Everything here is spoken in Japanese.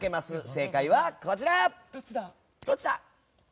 正解は、こちら！